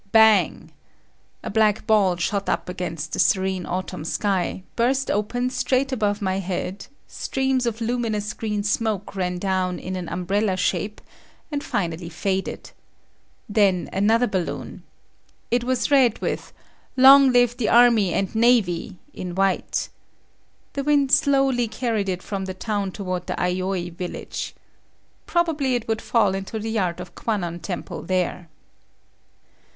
Bang! A black ball shot up against the serene autumn sky; burst open straight above my head, streams of luminous green smoke ran down in an umbrella shape, and finally faded. Then another balloon. It was red with "Long Live the Army and Navy" in white. The wind slowly carried it from the town toward the Aioi village. Probably it would fall into the yard of Kwanon temple there.